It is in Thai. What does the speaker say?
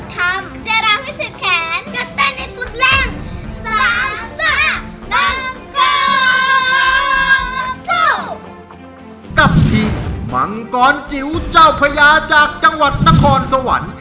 จะเต้นให้สุดแรง๓ซ่าบางกอกสู้กับทีมมังกรจิ๋วเจ้าพระยาจากจังหวัดนครสวรรค์